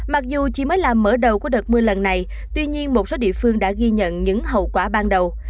mặc dù chỉ mới là mở đầu của đợt mưa lần này tuy nhiên một số địa phương đã ghi nhận những hậu quả ban đầu